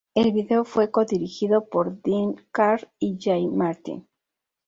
El video fue co-dirigido por Dean Karr y Jay Martin.